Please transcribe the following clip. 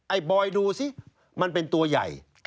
บอยดูสิมันเป็นตัวใหญ่